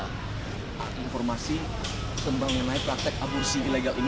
tak informasi kembang yang lain praktek aborsi ilegal ini